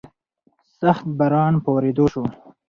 سخت باران په ورېدو شو.